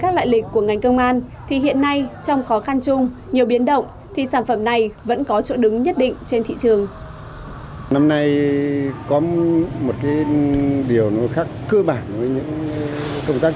các loại lịch của ngành công an thì hiện nay trong khó khăn chung nhiều biến động thì sản phẩm này vẫn có chỗ đứng nhất định trên thị trường